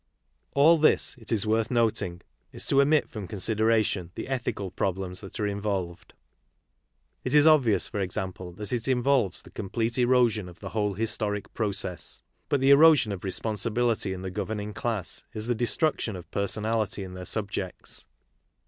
All this, it is worth noting, is to omit from considera tion the ethical problems that are involved. It is obvious, for example, that it involves the complete erosion of the whole historic process. But the erosion of responsi bility in the governing class is the destruction of per sonality in their subjects.